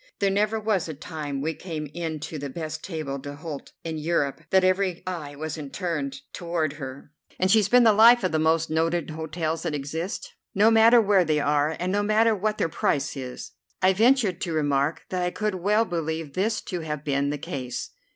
There never was a time we came in to the best table d'hôte in Europe that every eye wasn't turned toward her, and she's been the life of the most noted hotels that exist, no matter where they are, and no matter what their price is." I ventured to remark that I could well believe this to have been the case.